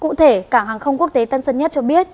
cụ thể cảng hàng không quốc tế tân sơn nhất cho biết